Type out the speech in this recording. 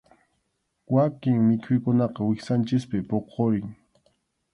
Wakin mikhuykunaqa wiksanchikpi puqurin.